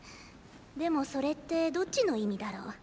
でもそれってどっちの意味だろ？